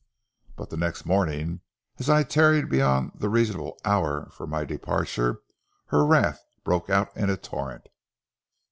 But the next morning as I tarried beyond the reasonable hour for my departure, her wrath broke out in a torrent.